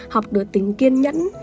học được tính kiên nhẫn